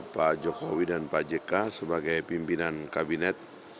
pak jokowi dan pak jk sebagai pimpinan kabinet